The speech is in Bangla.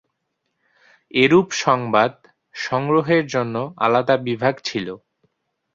এরূপ সংবাদ- সংগ্রহের জন্য আলাদা বিভাগ ছিল।